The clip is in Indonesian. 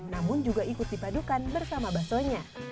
namun juga ikut dipadukan bersama bakso nya